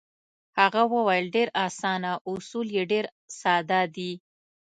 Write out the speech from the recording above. هغه وویل: ډېر اسانه، اصول یې ډېر ساده دي.